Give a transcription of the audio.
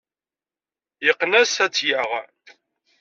Yeqqen-as ad tt-yaɣ.